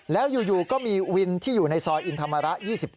แล้วอยู่ก็มีวินที่อยู่ในซอยอินธรรมระ๒๙